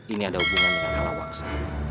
ini ada hubungannya dengan kala waksa